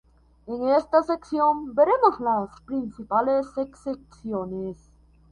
En esta sección veremos las principales excepciones.